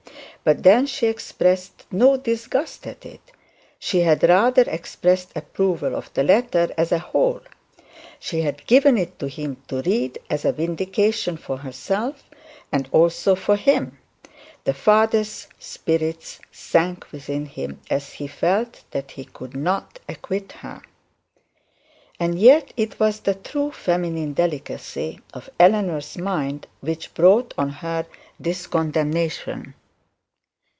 But then she expressed no disgust at it. She had rather expressed approval of the letter as a whole. She had given it to him to read, as a vindication for herself and also for him. The father's spirits sank within him as he felt that he could not acquit her. And yet it was the true feminine delicacy of Eleanor's mind which brought her on this condemnation.